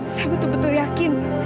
saya betul betul yakin